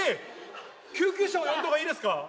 救急車を呼んだほうがいいですか？